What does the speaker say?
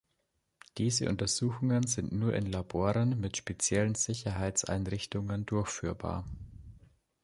Diese Untersuchungen sind nur in Laboren mit speziellen Sicherheitseinrichtungen durchführbar.